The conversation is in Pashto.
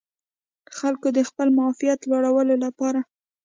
خلکو د خپل معافیت لوړولو لپاره